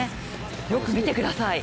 よく見てください。